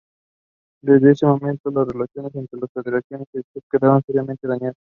Desde ese momento las relaciones entre la federación y el club quedaron seriamente dañadas.